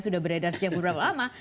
sudah beredar sejak beberapa lama